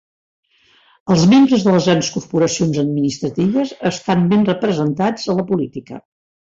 Els membres de les grans corporacions administratives estan ben representats a la política.